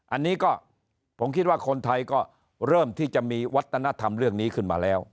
อันนี้ก็ผมคิดว่าคนไทยก็เริ่มที่จะมีวัฒนธรรมเรื่องนี้ขึ้นมาแล้ว